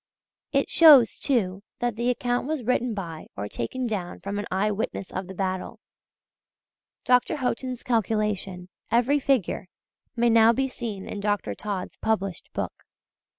It shows, too, that the account was written by or taken down from an eye witness of the battle. Dr. Haughton's calculation every figure may now be seen in Dr. Todd's published book.